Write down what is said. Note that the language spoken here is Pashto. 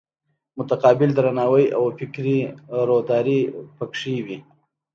متقابل درناوی او فکري روداري پکې وي.